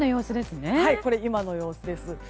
これ、今の様子です。